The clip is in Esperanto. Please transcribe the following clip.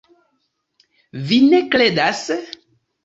Vi ne kredas?